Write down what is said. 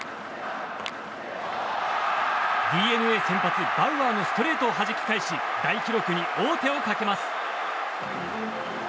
ＤｅＮＡ先発、バウアーのストレートをはじき返し大記録に王手をかけます。